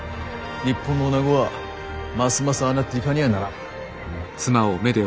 日本のおなごはますますああなっていかにゃならん。